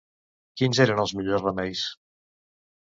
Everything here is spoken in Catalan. Quins eren els millors remeis?